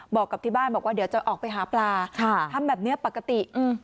บอกกับที่บ้านบอกว่าเดี๋ยวจะออกไปหาปลาทำแบบนี้ปกติ